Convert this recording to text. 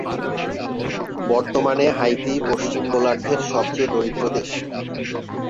বর্তমানে হাইতি পশ্চিম গোলার্ধের সবচেয়ে দরিদ্র দেশ।